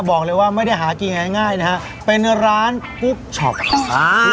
บอกเลยว่าไม่ได้หากินง่ายง่ายนะฮะเป็นร้านกุ๊กช็อปอ่า